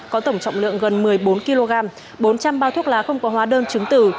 có tổng trọng lượng gần một mươi bốn kg bốn trăm linh bao thuốc lá không có hóa đơn chứng tử